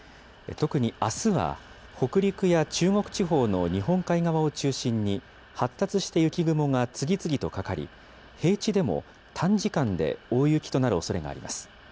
特にあすは、北陸や中国地方の日本海側を中心に、発達して雪雲が次々とかかり、平地でも短時間で大雪となるおそれがあります。